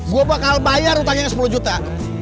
gue bakal bayar utangnya yang sepuluh juta